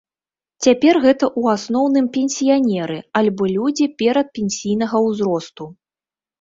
Цяпер гэта ў асноўным пенсіянеры альбо людзі перадпенсійнага ўзросту.